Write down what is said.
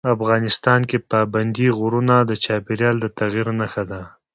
افغانستان کې پابندی غرونه د چاپېریال د تغیر نښه ده.